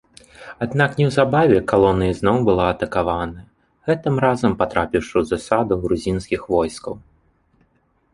Аднак неўзабаве калона ізноў была атакаваная, гэтым разам патрапіўшы ў засаду грузінскіх войскаў.